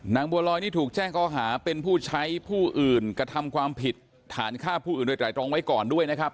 บัวลอยนี่ถูกแจ้งข้อหาเป็นผู้ใช้ผู้อื่นกระทำความผิดฐานฆ่าผู้อื่นโดยไตรรองไว้ก่อนด้วยนะครับ